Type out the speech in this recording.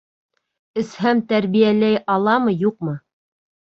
Эсһәм, тәрбиәләй аламы, юҡмы?